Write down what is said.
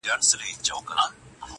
د پلټني سندرماره شـاپـيـرۍ يــارانــو.